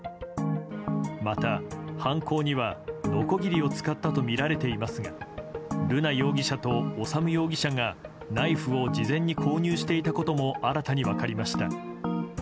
また犯行には、のこぎりを使ったとみられていますが瑠奈容疑者と修容疑者がナイフを事前に購入していたことも新たに分かりました。